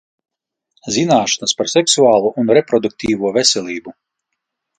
Zināšanas par seksuālo un reproduktīvo veselību.